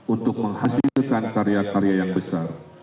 untuk menghasilkan karya karya yang besar